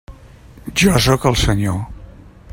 Jo sóc el Senyor.